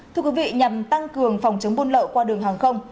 thưa quý vị nhằm tăng cường phòng chống buôn lậu qua đường hàng không